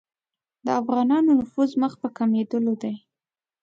د افغانانو نفوذ مخ په کمېدلو دی.